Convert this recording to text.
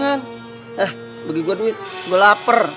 gorengan eh bagi gua duit gua lapar